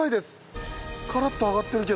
カラッと揚がってるけど。